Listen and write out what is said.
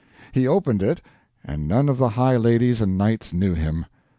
He opened it, and none of the high ladies and knights knew him.